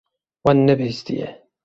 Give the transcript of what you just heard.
Wan nebihîstiye.